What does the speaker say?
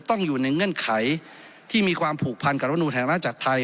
ต้องอยู่ในเงื่อนไขที่มีความผูกพันกับรัฐนูลแห่งราชจักรไทย